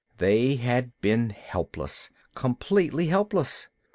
They had been helpless, completely helpless.